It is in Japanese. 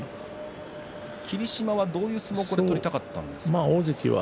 霧島はどんな相撲を取りたかったんですか？